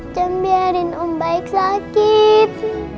kan biarin om baik sakit